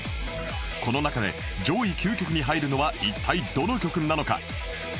この中で上位９曲に入るのは一体どの曲なのか？